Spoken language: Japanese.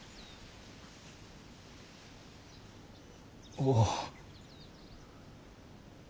おお。